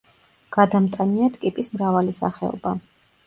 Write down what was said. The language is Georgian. გადამტანია ტკიპის მრავალი სახეობა.